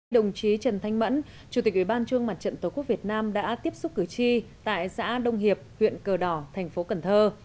đồng chí trần thanh mẫn chủ tịch ủy ban trung mặt trận tổ quốc việt nam đã tiếp xúc cử tri tại xã đông hiệp huyện cờ đỏ thành phố cần thơ